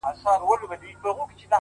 o كړۍ .كـړۍ لكه ځنځير ويـده دی.